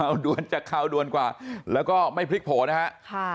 ข่าวด้วนจากข่าวด้วนกว่าแล้วก็ไม่พลิกโผนะฮะค่ะ